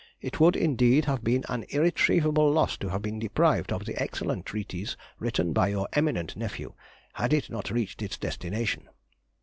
It would, indeed, have been an irretrievable loss to have been deprived of the excellent treatise written by your eminent nephew, had it not reached its destination.